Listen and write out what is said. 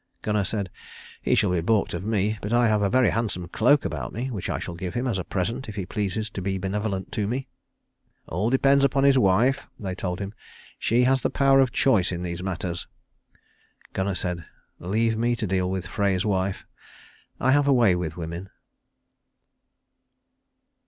Gunnar said, "He shall be baulked of me; but I have a very handsome cloak about me, which I shall give him as a present if he pleases to be benevolent to me." "All depends upon his wife," they told him. "She has the power of choice in these matters." Gunnar said, "Leave me to deal with Frey's wife. I have a way with women."